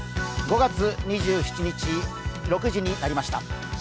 ５月２７日、６時になりました。